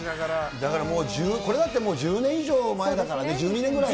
だからもう、これ１０、１０年以上前だから、１２年ぐらい。